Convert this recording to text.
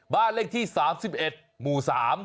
บ้านเลขที่๓๑หมู่๓